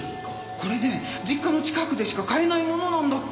これね実家の近くでしか買えないものなんだって。